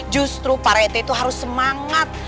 justru pak reti itu harus semangat